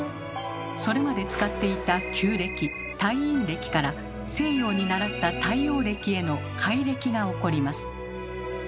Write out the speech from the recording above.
それまで使っていた旧暦太陰暦から西洋に倣った太陽暦への改暦が起こります。